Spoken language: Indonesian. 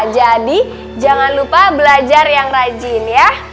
jadi jangan lupa belajar yang rajin ya